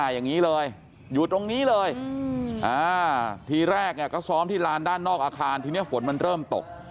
อย่างนี้เลยอยู่ตรงนี้เลยทีแรกก็ซ้อมที่ลานด้านนอกอาคารทีนี้ฝนมันเริ่มตก